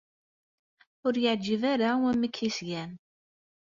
Ur iyi-yeɛjib ara wamek ay as-gan.